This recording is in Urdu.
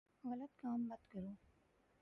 غلط کام مت کرو ـ